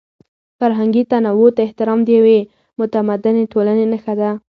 فرهنګي تنوع ته احترام د یوې متمدنې ټولنې نښه ده.